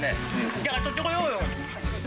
じゃあ、取ってこようよ。